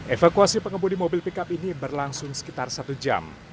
evakuasi pengemudi mobil pickup ini berlangsung sekitar satu jam